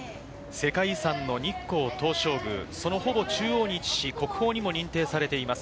世界遺産の日光東照宮、そのほぼ中央に位置し、国宝にも認定されています